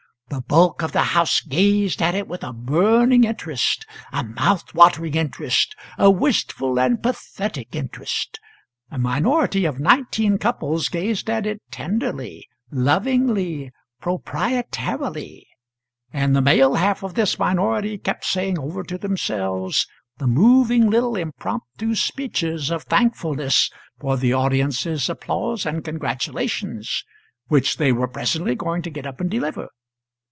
The bulk of the house gazed at it with a burning interest, a mouth watering interest, a wistful and pathetic interest; a minority of nineteen couples gazed at it tenderly, lovingly, proprietarily, and the male half of this minority kept saying over to themselves the moving little impromptu speeches of thankfulness for the audience's applause and congratulations which they were presently going to get up and deliver.